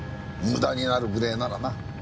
無駄になるぐれえならな。